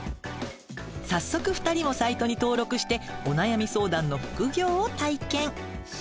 早速２人もサイトに登録してお悩み相談の副業を体験。